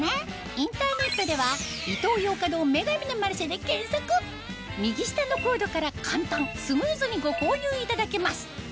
インターネットでは右下のコードから簡単スムーズにご購入いただけます